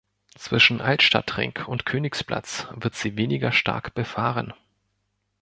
Zwischen Altstadtring und Königsplatz wird sie weniger stark befahren.